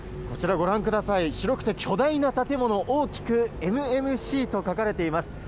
こちらご覧ください。白くて巨大な建物、大きくＭＭＣと書かれています。